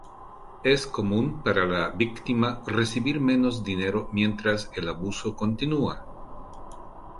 Es común para la víctima recibir menos dinero mientras el abuso continúa.